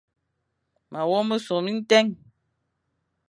Ma wok mesong bi tèn.